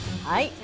はい。